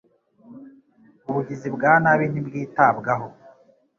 Ubugizi bwa nabi ntibwitabwaho,